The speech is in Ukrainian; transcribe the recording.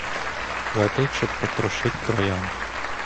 Летить, щоб потрошить троян;